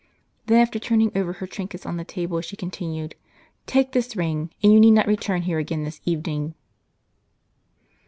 Then, after turning over her trinkets on the table, she continued, "Take this ring; and you need not return here again this evening."